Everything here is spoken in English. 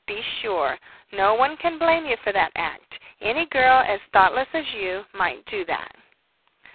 Be sure. No one can blame you for that act. Any girl, as thoughtless as you, might do that."